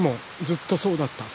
ずっとそうだった。